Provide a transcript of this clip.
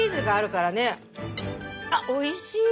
あっおいしい！